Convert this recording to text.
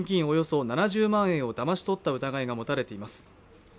およそ７０万円をだまし取った疑いが持たれています